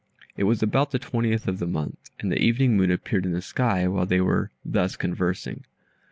It was about the twentieth of the month, and the evening moon appeared in the sky, while they were thus conversing.